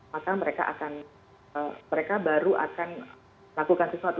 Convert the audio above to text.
maka mereka baru akan lakukan sesuatu